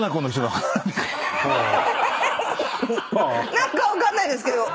何か分かんないですけど。